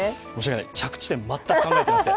着地点、全く考えてなくて。